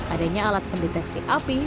adanya alat pendeteksi api